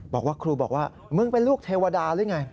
บอกว่าครูบอกว่ามึงเป็นลูกเทวดาหรือไง